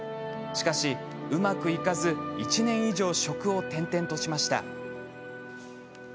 しかし、うまくいかず１年以上、職を転々としました。